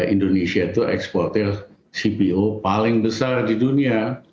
indonesia itu eksportir cpo paling besar di dunia